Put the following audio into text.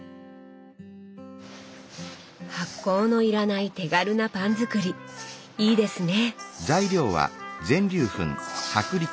発酵のいらない手軽なパン作りいいですね！